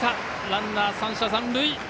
ランナー、３者残塁。